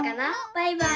バイバイ！